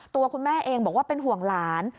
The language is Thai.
ตัวคุณแม่เองบอกว่าเป็นห่วงหลาน